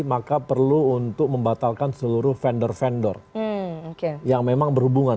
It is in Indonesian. maka perlu untuk membatalkan seluruh vendor vendor yang memang berhubungan